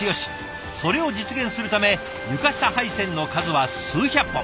それを実現するため床下配線の数は数百本。